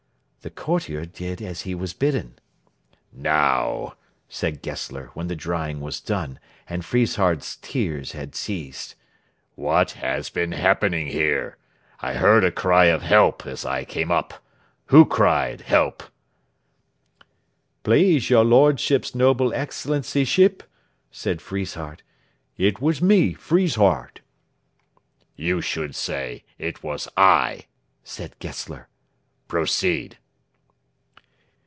The courtier did as he was bidden. "Now," said Gessler, when the drying was done, and Friesshardt's tears had ceased, "what has been happening here? I heard a cry of 'Help!' as I came up. Who cried 'Help!'?" "Please, your lordship's noble Excellencyship," said Friesshardt, "it was me, Friesshardt." "You should say, 'It was I,'" said Gessler. "Proceed."